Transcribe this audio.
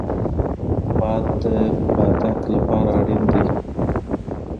باد د بادک لپاره اړین دی